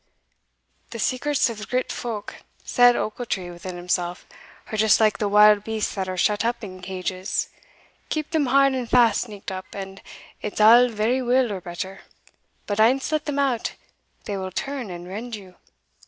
"The secrets of grit folk," said Ochiltree within himself, "are just like the wild beasts that are shut up in cages. Keep them hard and fast sneaked up, and it's a' very weel or better but ance let them out, they will turn and rend you.